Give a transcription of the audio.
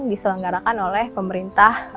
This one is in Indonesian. diselenggarakan oleh pemerintah